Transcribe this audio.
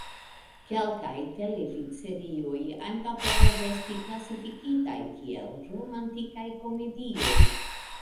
Kelkaj televidserioj ankaŭ povas esti klasifikitaj kiel romantikaj komedioj.